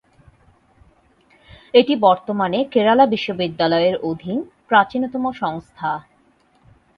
এটি বর্তমানে কেরালা বিশ্ববিদ্যালয়ের অধীন প্রাচীনতম সংস্থা।